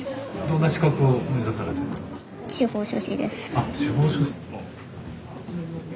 あっ司法書士の。